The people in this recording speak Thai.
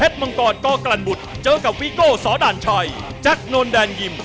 สวัสดีครับ